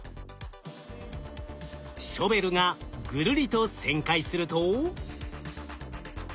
ショベルがぐるりと旋回すると。